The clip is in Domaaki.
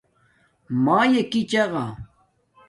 مݳیݺ کݵ چغݳ.